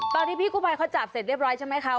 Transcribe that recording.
พี่กู้ภัยเขาจับเสร็จเรียบร้อยใช่ไหมคะ